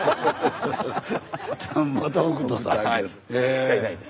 しかいないです。